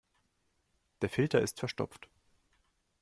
Der Filter ist verstopft.